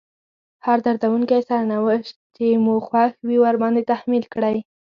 هر دردونکی سرنوشت چې مو خوښ وي ورباندې تحميل کړئ.